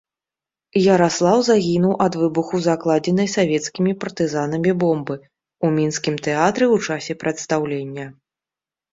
Яраслаў загінуў ад выбуху закладзенай савецкімі партызанамі бомбы, у мінскім тэатры ў часе прадстаўлення.